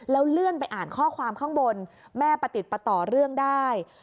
แล้วเลื่อนไปอ่านข้อความข้างบนแม่ประติดประต่อเรื่องได้